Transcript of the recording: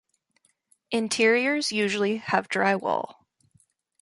Interiors usually have drywall.